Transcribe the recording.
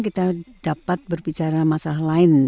kita dapat berbicara masalah lain